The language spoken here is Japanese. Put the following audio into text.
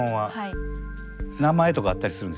名前とかあったりするんですか？